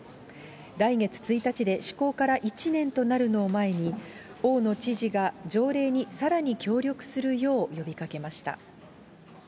来月１日で施行から１年となるのを前に、大野知事が条例にさらに協力するよう呼びかけました。